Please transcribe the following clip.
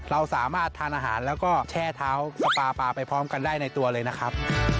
เราสามารถทานอาหารแล้วก็แช่เท้าสปาไปพร้อมกันได้ในตัวเลยนะครับ